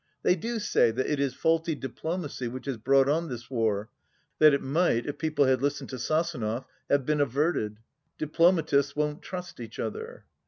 They do say that it is faulty diplomacy which has brought on this war — ^that it might, if people had listened to Sasonof, have been averted. Diplomatists won't trust each other.